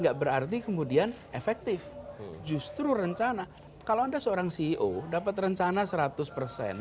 enggak berarti kemudian efektif justru rencana kalau anda seorang ceo dapat rencana seratus persen